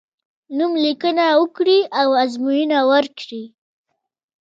نوم لیکنه وکړی او ازموینه ورکړی.